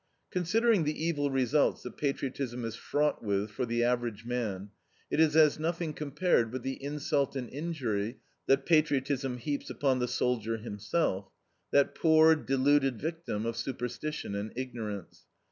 Considering the evil results that patriotism is fraught with for the average man, it is as nothing compared with the insult and injury that patriotism heaps upon the soldier himself, that poor, deluded victim of superstition and ignorance.